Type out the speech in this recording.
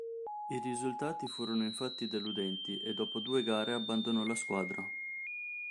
I risultati furono infatti deludenti e dopo due gare abbandonò la squadra.